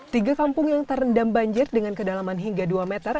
tiga kampung yang terendam banjir dengan kedalaman hingga dua meter